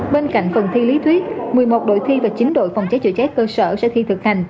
bên cạnh phần thi lý thuyết một mươi một đội thi và chín đội phòng cháy chữa cháy cơ sở sẽ thi thực hành